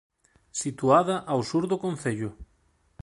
Situada ao sur do concello.